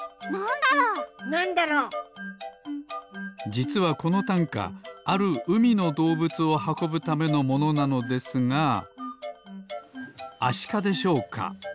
じつはこのたんかあるうみのどうぶつをはこぶためのものなのですがアシカでしょうか？